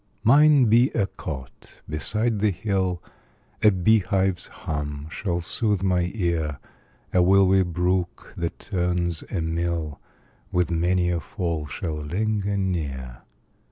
Mine be a cot beside the hill, A bee hive's hum shall sooth my ear; A willowy brook, that turns a mill, With many a fall shall linger near.